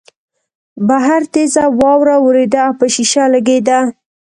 بهر تېزه واوره ورېده او په شیشه لګېده